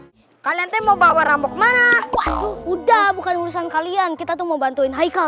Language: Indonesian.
hai kalian mau bawa rambut mana udah bukan urusan kalian kita tuh mau bantuin haikal